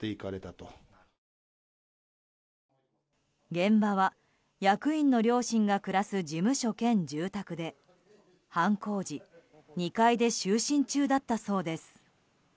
現場は役員の両親が暮らす事務所兼住宅で犯行時２階で就寝中だったそうです。